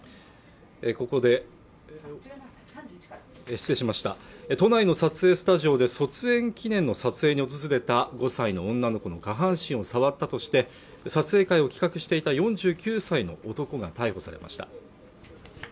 失礼しました都内の撮影スタジオで卒園記念の撮影に訪れた５歳の女の子の下半身を触ったとして撮影会を企画していた４９歳の男が逮捕されました